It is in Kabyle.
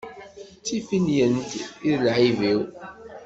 D tiffinyent i d lεib-iw.